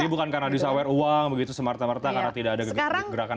jadi bukan karena disaware uang begitu semerta merta karena tidak ada gerakan apa apa